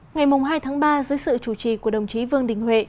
ngày hai tháng ba dưới sự chủ trì của đồng chí vương đình huệ